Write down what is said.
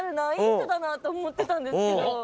いい人だなと思ってたんですけど。